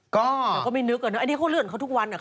ก็มันก็ไม่นึกอ่ะเนี่ยอันนี้เขาเลื่อนเขาทุกวันอ่ะเข้าออก